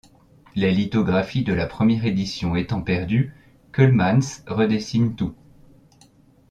Les lithographies de la première édition étant perdues, Keulemans redessine tout.